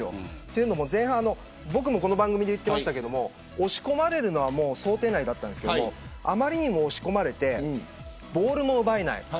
というのも僕もこの番組で言ってましたが押し込まれるのは想定内でしたがあまりにも押し込まれてボールも奪えない。